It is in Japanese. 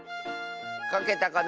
かけたかな？